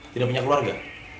tidak punya keluarga